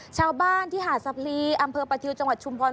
ชาวบ้านที่หาดสะพลีอำเภอประทิวจังหวัดชุมพร